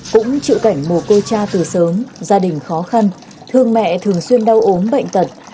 cũng chịu cảnh một cô cha từ sớm gia đình khó khăn thương mẹ thường xuyên đau ốm bệnh tật